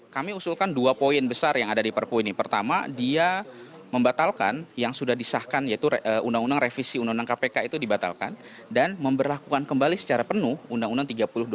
kami usulkan dua poin besar yang ada di perpu ini pertama dia membatalkan yang sudah disahkan yaitu undang undang revisi undang undang kpk itu dibatalkan dan memperlakukan kembali secara penuh undang undang tiga puluh dua